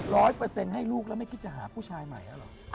ร้อยเปอร์เซ็นต์ให้ลูกแล้วไม่คิดจะหาผู้ชายใหม่แล้วเหรอ